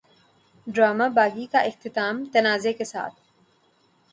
drama Baaghi کا اختتام تنازعے کے ساتھ